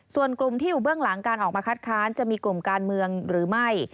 ส่วนกลุ่มที่อยู่เบื้องหลังการออกมาคัดค้านจะมีกลุ่มการเมืองหรือไม่